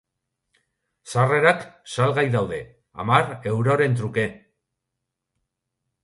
Sarrerak salgai daude, hamar euroren truke.